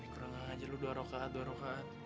kurang aja lo dua rokaat dua rokaat